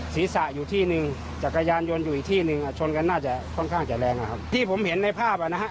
แล้วรถวิ่งอยู่ล่ะครับ